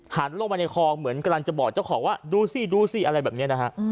ลงไปในคลองเหมือนกำลังจะบอกเจ้าของว่าดูสิดูสิอะไรแบบนี้นะฮะ